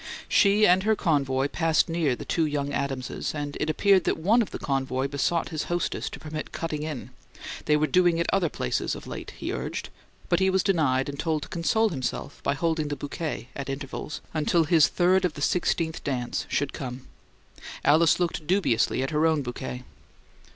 She and her convoy passed near the two young Adamses; and it appeared that one of the convoy besought his hostess to permit "cutting in"; they were "doing it other places" of late, he urged; but he was denied and told to console himself by holding the bouquet, at intervals, until his third of the sixteenth dance should come. Alice looked dubiously at her own bouquet.